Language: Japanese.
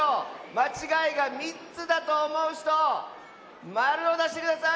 まちがいが３つだとおもうひと○をだしてください。